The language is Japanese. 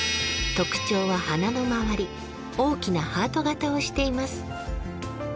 特徴は花の周り大きなハート形をしています。